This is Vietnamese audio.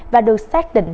và được xác định